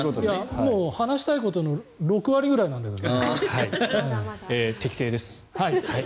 もう話したいことの６割ぐらいなんだけどね。